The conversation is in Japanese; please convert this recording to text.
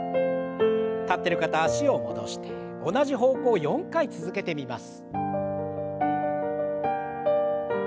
立ってる方脚を戻して同じ方向を４回続けてみます。